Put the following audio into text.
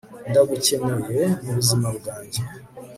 ndagukeneye mu buzima bwange